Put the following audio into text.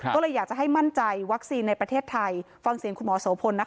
ก็เลยอยากจะให้มั่นใจวัคซีนในประเทศไทยฟังเสียงคุณหมอโสพลนะคะ